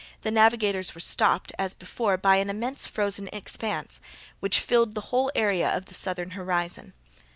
the navigators were stopped, as before, by an immense frozen expanse, which filled the whole area of the southern horizon.